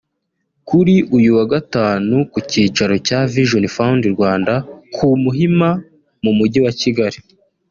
Kuri uyu wa Gatanu ku cyicaro cya Vision Fund Rwanda ku Muhima mu Mujyi wa Kigali